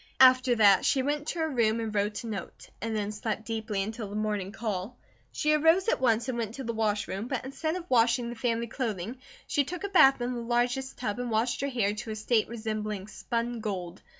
After that she went to her room and wrote a note, and then slept deeply until the morning call. She arose at once and went to the wash room but instead of washing the family clothing, she took a bath in the largest tub, and washed her hair to a state resembling spun gold.